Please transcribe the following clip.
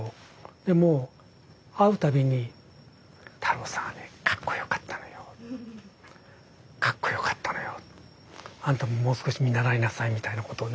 でも会う度に太郎さんはねかっこよかったのよかっこよかったのよあんたももう少し見習いなさいみたいなことをね